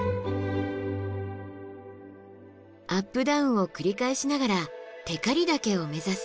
アップダウンを繰り返しながら光岳を目指す。